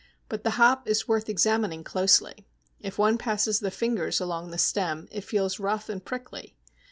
But the Hop is worth examining closely. If one passes the fingers along the stem, it feels rough and prickly.